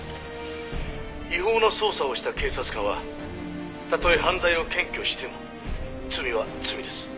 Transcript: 「違法な捜査をした警察官はたとえ犯罪を検挙しても罪は罪です」